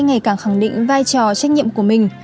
ngày càng khẳng định vai trò trách nhiệm của mình